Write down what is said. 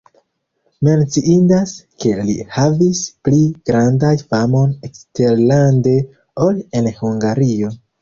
Menciindas, ke li havis pli grandan famon eksterlande, ol en Hungario.